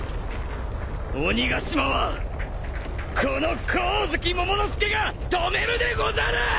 鬼ヶ島はこの光月モモの助が止めるでござる！